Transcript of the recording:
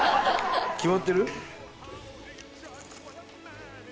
決まってる？